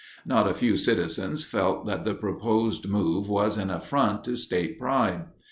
Not a few citizens felt that the proposed move was an affront to state pride.